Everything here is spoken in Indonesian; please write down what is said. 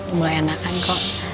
udah enakan kok